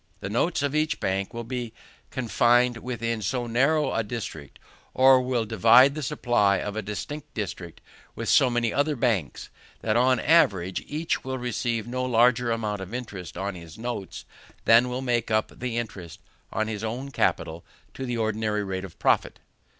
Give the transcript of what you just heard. The notes of each bank will be confined within so narrow a district, or will divide the supply of a district with so many other banks, that on the average each will receive no larger amount of interest on his notes than will make up the interest on his own capital to the ordinary rate of profit.